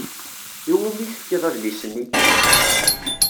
I wumi i tefkiḍ adlis-nni?